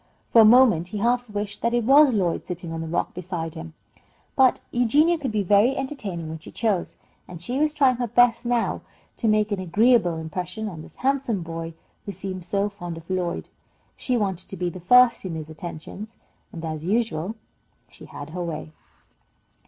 For a moment he half wished that it was Lloyd sitting on the rock beside him, but Eugenia could be very entertaining when she chose, and she was trying her best now to make an agreeable impression on this handsome boy who seemed so fond of Lloyd. She wanted to be first in his attentions, and, as usual, she had her way.